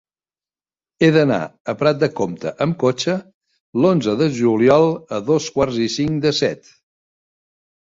He d'anar a Prat de Comte amb cotxe l'onze de juliol a dos quarts i cinc de set.